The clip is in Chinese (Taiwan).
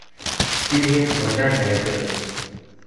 今天我站在這裡